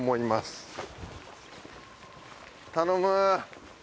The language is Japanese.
頼む。